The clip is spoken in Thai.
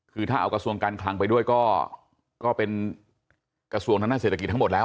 คือถ้าเอากระทรวงการคลังไปด้วยก็เป็นกระทรวงทางด้านเศรษฐกิจทั้งหมดแล้ว